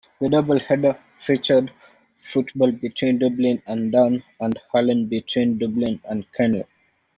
The double-header featured football between Dublin and Down and hurling between Dublin and Kilkenny.